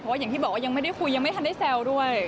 อย่างที่บอกว่ายังไม่ได้คุยยังไม่ทันได้แซวด้วย